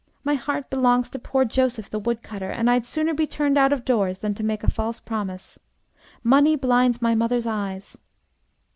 My heart belongs to poor Joseph, the woodcutter, and I'd sooner be turned out of doors than to make a false promise. Money blinds my mother's eyes!'